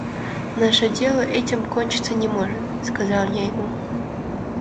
«Наше дело этим кончиться не может», – сказал я ему.